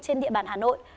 trên địa bàn hà nội